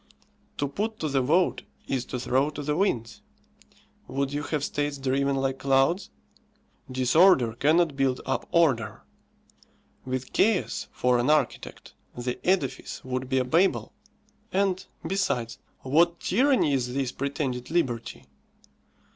To put to the vote is to throw to the winds. Would you have states driven like clouds? Disorder cannot build up order. With chaos for an architect, the edifice would be a Babel. And, besides, what tyranny is this pretended liberty!